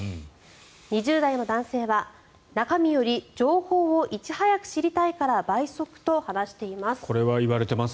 ２０代の男性は中身より情報をいち早く知りたいから倍速と話しています。